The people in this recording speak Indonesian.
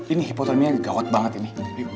ini hipotermia gawat banget ini